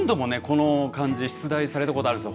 この漢字出題されたことあるんです。